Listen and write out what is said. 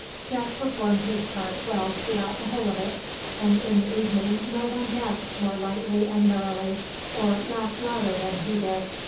Jack performed his part well throughout the whole of it, and in the evening no one danced more lightly and merrily, or laughed louder than did he.